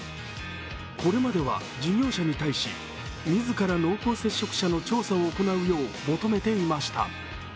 これまでは事業者に対し自ら濃厚接触者の調査を行うよう求めていました。